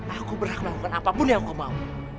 aku berhak melakukan apapun yang kau mau